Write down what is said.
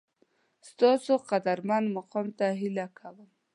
ستاسو قدرمن مقام څخه هیله کوم